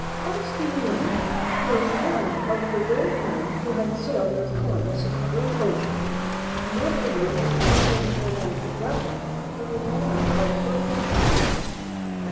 Ponce de Leon was one of the brave men who had sailed with Columbus across the great ocean, and afterwards he had been made Governor of an island called Porto Rico.